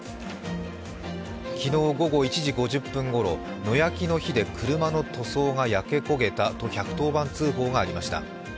昨日午後１時５０分頃野焼きの火で車の塗装が焼け焦げたと警察に通報がありました。